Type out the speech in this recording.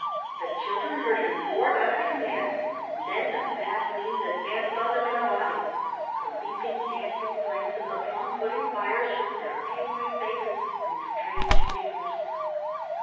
The children heard him roar out a command, and then the Bad Dreams advanced on them in a body. The leaping dancing flames of the plum pudding fire showed their angry faces and strange figures.